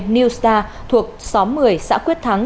new star thuộc xóm một mươi xã quyết thắng